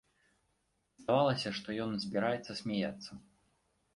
Здавалася, што ён збіраецца смяяцца.